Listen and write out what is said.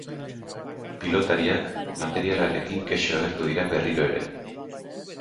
Pilotariak materialarekin kexu agertu dira berriro ere.